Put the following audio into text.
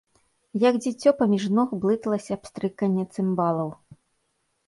Як дзіцё паміж ног, блыталася пстрыканне цымбалаў.